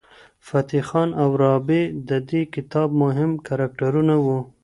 فتح خان او رابعه د دې کتاب مهم کرکټرونه وو.